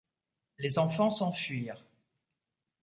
Les enfants s’enfuirent.